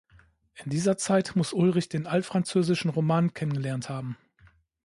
In dieser Zeit muss Ulrich den altfranzösischen Roman kennengelernt haben.